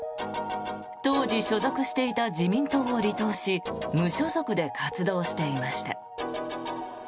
当時所属していた自民党を離党し無所属で活動していました。